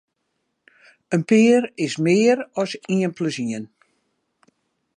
In pear is mear as ien plus ien.